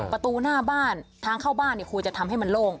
ประตูหน้าบ้านทางเข้าบ้านควรจะทำให้มันโล่ง